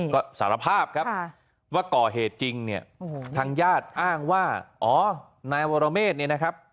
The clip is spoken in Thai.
ก็สารภาพครับว่าก่อเหตุจริงเนี่ยทางญาติอ้างว่าอ๋อนายวรเมฆเนี่ยนะครับ